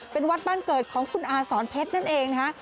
เป็นวัดบ้านเกิดของคุณอาสอนเพชรนั่นเองนะคะ